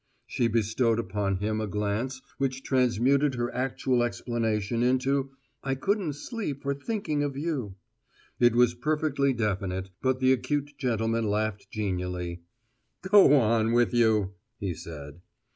She bestowed upon him a glance which transmuted her actual explanation into, "I couldn't sleep for thinking of you." It was perfectly definite; but the acute gentleman laughed genially. "Go on with you!" he said.